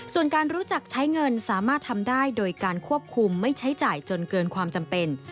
ส่วนการรู้จักใช้เงินสามารถทำได้โดยการควบคุมไม่ใช้จ่ายจนเกินความจำเป็น